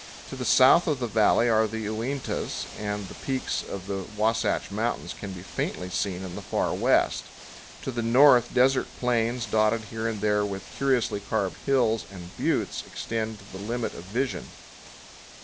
To the south of the valley are the Uintas, and the peaks of the Wasatch Mountains can be faintly seen in the far west. To the north, desert plains, dotted here and there with curiously carved hills and buttes, extend to the limit of vision.